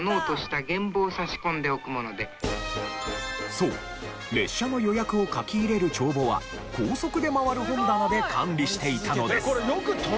そう列車の予約を書き入れる帳簿は高速で回る本棚で管理していたのです。